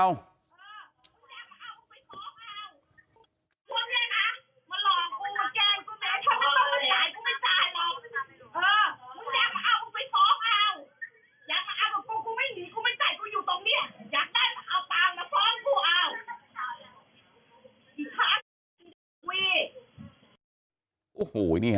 อยากมาเอากับกูกูไม่หนีกูไม่จ่ายกูอยู่ตรงเนี่ย